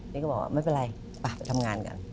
นี่ก็บอกว่าไม่เป็นไรไปทำงานกัน